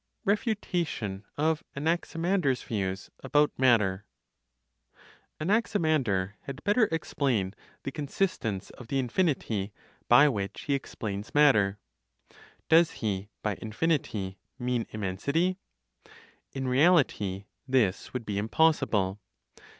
REFUTATION OF ANAXIMANDER'S VIEWS ABOUT MATTER. (Anaximander) had better explain the consistence of the infinity by which he explains matter. Does he, by infinity, mean immensity? In reality this would be impossible.